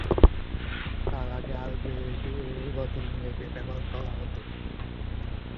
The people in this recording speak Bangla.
তার আগে আরবি লিপি ও লাতিন লিপি ব্যবহার করা হত।